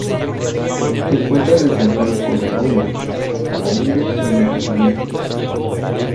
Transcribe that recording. Se encuentra desde el Golfo de Omán hasta la India y Nueva Guinea.